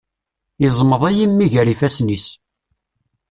Yeẓmeḍ-iyi mmi ger ifassen-is.